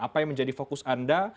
apa yang menjadi fokus anda